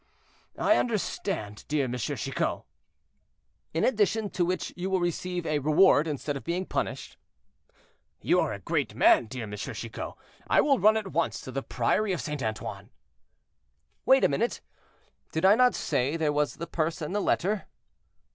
"I understand, dear Monsieur Chicot." "In addition to which you will receive a reward, instead of being punished." "You are a great man, dear Monsieur Chicot; I will run at once to the Priory of St. Antoine." "Wait a minute! did I not say there was the purse and the letter?"